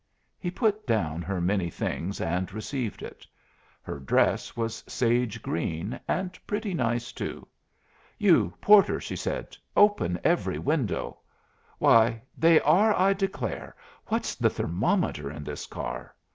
He put down her many things and received it. Her dress was sage green, and pretty nice too. "You porter," said she, "open every window. Why, they are, I declare! What's the thermometer in this car?"